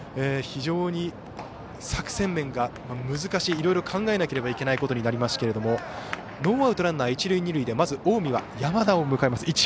非常に作戦面が難しいいろいろ考えなければいけないことになりますがノーアウトランナー、一塁二塁でまず近江は山田を迎えます。